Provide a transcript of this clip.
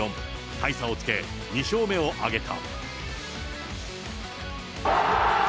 大差をつけ、２勝目を挙げた。